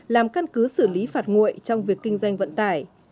làm căn cứ xử lý phạt nguội trong việc kinh doanh vận tải